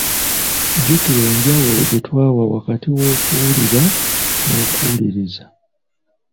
Jjukira enjawulo gye twawa wakati w’okuwulira n’okuwuliriza.